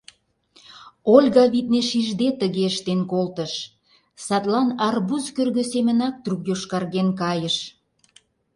Ольга, витне, шижде тыге ыштен колтыш, садлан арбуз кӧргӧ семынак трук йошкарген кайыш.